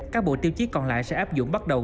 các bộ tiêu chí còn lại sẽ áp dụng bắt đầu